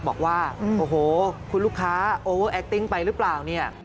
บอกว่าโอ้โหคุณลูกค้าโอเวอร์แอคติ้งไปหรือเปล่า